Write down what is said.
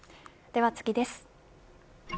では次です。